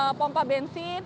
ada di beberapa titik rest area